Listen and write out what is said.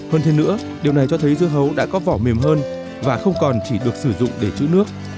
hơn thế nữa điều này cho thấy dưa hấu đã có vỏ mềm hơn và không còn chỉ được sử dụng để chữ nước